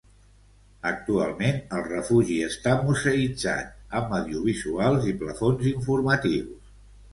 Actualment el refugi està museïtzat, amb audiovisuals i plafons informatius.